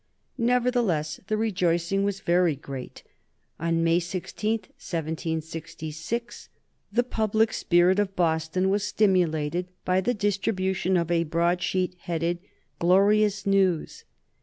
Nevertheless, the rejoicing was very great. On May 16, 1766, the public spirit of Boston was stimulated by the distribution of a broadsheet headed "Glorious News."